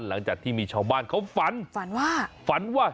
หลังจากที่มีชาวบ้านเขาฝันฝันว่าฝันว่า